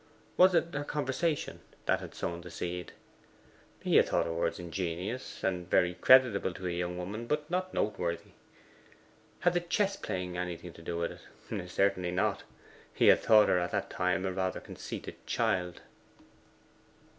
Was it her conversation that had sown the seed? He had thought her words ingenious, and very creditable to a young woman, but not noteworthy. Had the chess playing anything to do with it? Certainly not: he had thought her at that time a rather conceited child.